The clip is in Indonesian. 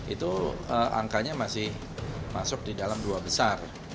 itu angkanya masih masuk di dalam dua besar